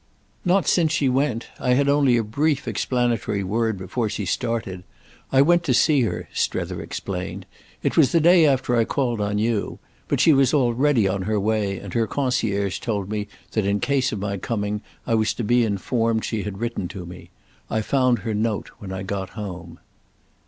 "Not since she went—I had only a brief explanatory word before she started. I went to see her," Strether explained—"it was the day after I called on you—but she was already on her way, and her concierge told me that in case of my coming I was to be informed she had written to me. I found her note when I got home."